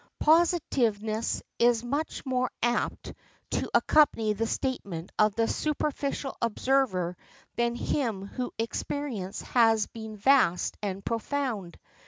Positiveness is much more apt to accompany the statement of the superficial observer than him whose experience has been vast and profound.